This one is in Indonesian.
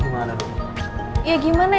terus lu gimana